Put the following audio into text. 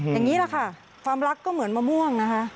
อย่างนี้แหละค่ะความรักก็เหมือนมะม่วงนะคะ